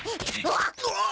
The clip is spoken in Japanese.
うわっ！